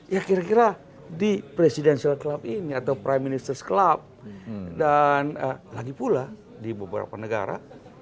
ya kira kira di presidential club ini atau prime minister club dan lagi pula di beberapa negara